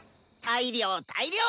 大量大量！